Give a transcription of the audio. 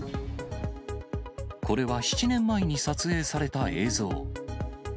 これは７年前に撮影された映像。